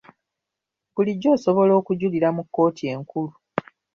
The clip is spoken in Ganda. Bulijjo osobola okujulira mu kkooti enkulu.